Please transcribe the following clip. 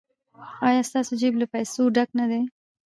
ایا ستاسو جیب له پیسو ډک نه دی؟